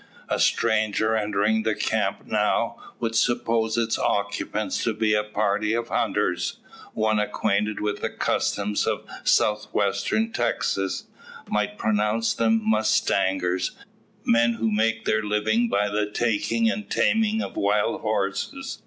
A stranger entering the camp now, would suppose its occupants to be a party of hunters; one acquainted with the customs of South Western Texas, might pronounce them mustangers men who make their living by the taking and taming of wild horses.